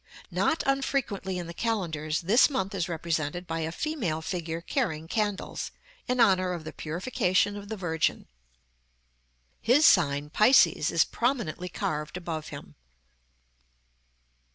Not unfrequently, in the calendars, this month is represented by a female figure carrying candles, in honor of the Purification of the Virgin. His sign, Pisces, is prominently carved above him.